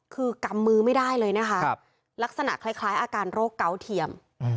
คือกำมือไม่ได้เลยนะคะลักษณะคล้ายอาการโรคเกาเทียม